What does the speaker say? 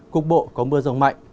cục bộ có mưa rông mạnh